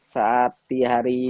saat di hari